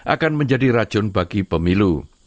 akan menjadi racun bagi pemilu